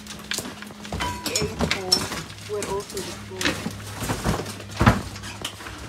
Thirty-eight homes were also destroyed.